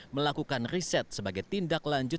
melakukan riset sebagai tindak lanjut